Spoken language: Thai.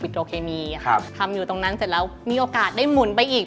โตเคมีครับทำอยู่ตรงนั้นเสร็จแล้วมีโอกาสได้หมุนไปอีก